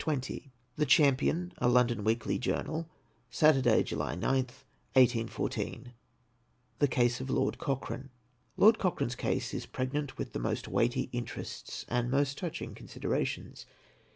\_Tlie Champion, a London Weekly Journal, Saturday, July 9tli, 1814.] The Case of Lord Cochrane. Lord Cochrane's case is pregnant with the most weighty interests and most touching considerations.